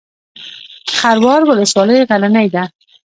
خروار ولسوالۍ غرنۍ ده؟